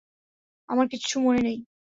আমার কিচ্ছু মনে নেই।